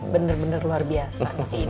benar benar luar biasa